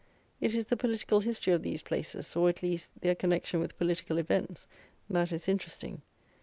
It is the political history of these places; or, at least, their connexion with political events, that is interesting.